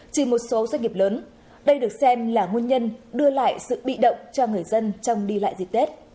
chỉ một số doanh nghiệp lớn đây được xem là nguyên nhân đưa lại sự bị động cho người dân trong đi lại dịp tết